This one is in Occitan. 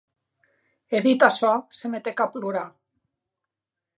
E dit açò, se metec a plorar.